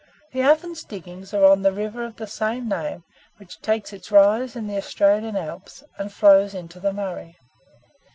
The Ovens diggings are on the river of the same name, which takes its rise in the Australian Alps, and flows into the Murray.